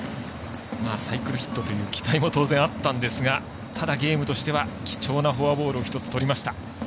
サイクルヒットという期待も当然あったんですがただ、ゲームとしては貴重なフォアボールを１つ、とりました。